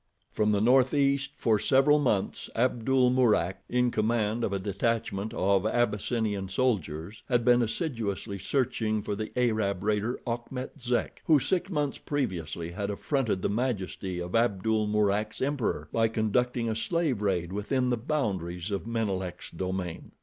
From the northeast, for several months, Abdul Mourak, in command of a detachment of Abyssinian soldiers, had been assiduously searching for the Arab raider, Achmet Zek, who, six months previously, had affronted the majesty of Abdul Mourak's emperor by conducting a slave raid within the boundaries of Menelek's domain.